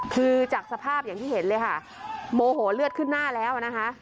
คือจากสภาพอย่างที่เห็นเลยค่ะโมโหเลือดขึ้นหน้าแล้วนะคะ